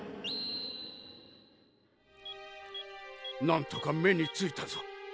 なんとか目に着いたぞ。